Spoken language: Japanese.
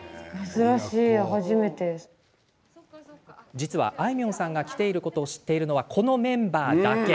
実は、あいみょんさんが来ていることを知っているのはこのメンバーだけ。